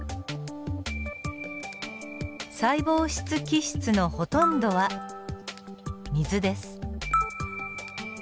細胞質基質のほとんどは水です。